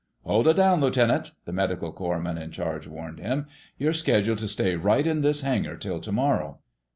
"Hold it down, Lieutenant!" the medical corps man in charge warned him. "You're scheduled to stay right in this hangar till tomorrow."